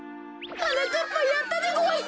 はなかっぱやったでごわす！